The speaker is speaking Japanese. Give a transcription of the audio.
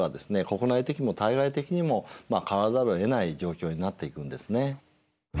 国内的にも対外的にも変わらざるをえない状況になっていくんですね。